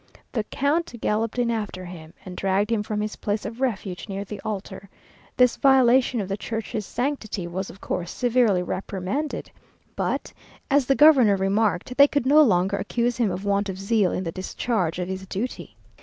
The count galloped in after him, and dragged him from his place of refuge near the altar. This violation of the church's sanctity was, of course, severely reprimanded, but, as the governor remarked, they could no longer accuse him of want of zeal in the discharge of his duty.